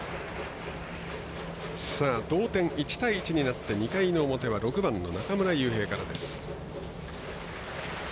同点、１対１になって２回の表は６番の中村悠平からです。